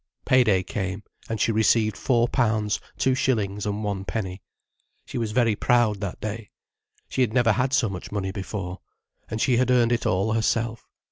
Pay day came, and she received four pounds two shillings and one penny. She was very proud that day. She had never had so much money before. And she had earned it all herself.